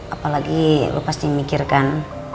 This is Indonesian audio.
apalagi lu pasti mikirkan